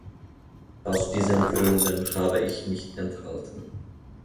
Aus diesen Gründen habe ich mich enthalten.